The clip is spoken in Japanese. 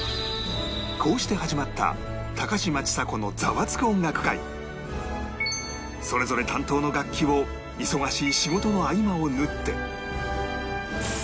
こうして始まったそれぞれ担当の楽器を忙しい仕事の合間を縫って